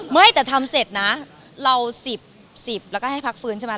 ไม่แต่ทำเสร็จนะเรา๑๐๑๐แล้วก็ให้พักฟื้นใช่ไหม